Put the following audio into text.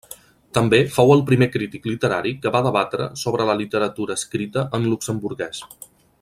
També fou el primer crític literari que va debatre sobre la literatura escrita en luxemburguès.